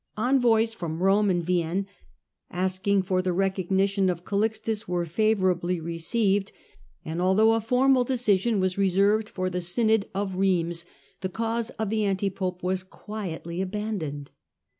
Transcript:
Envoys from Rome and Vienne asking for the recognition of Calixtus were favourably received, and although a formal decision was reserved for the synod of Reims, the cause of the anti pope was quietly abandoned.